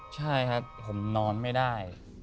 ใช่ครับผมนอนไม่ได้